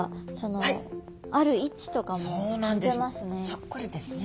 そっくりですね。